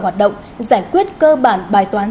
hoạt động giải quyết cơ bản bài toán